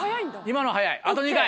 今の速いあと２回。